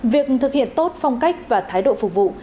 việc thực hiện tốt phong cách và thái độ phục vụ